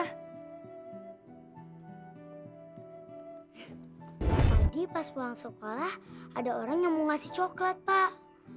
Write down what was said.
pagi pas pulang sekolah ada orang yang mau ngasih coklat pak